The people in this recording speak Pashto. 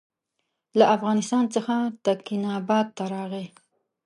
له افغانستان څخه تکیناباد ته راغی.